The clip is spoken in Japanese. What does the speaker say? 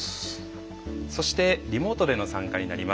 そしてリモートでの参加になります。